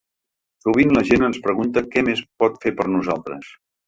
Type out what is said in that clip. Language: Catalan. Sovint la gent ens pregunta què més pot fer per nosaltres.